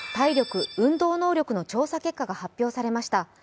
各世代の体力・運動能力の調査結果が発表されました。